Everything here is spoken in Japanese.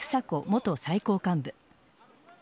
元最高幹部。